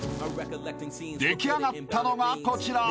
［出来上がったのがこちら］